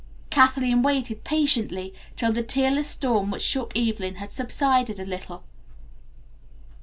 Kathleen waited patiently till the tearless storm which shook Evelyn had subsided a little.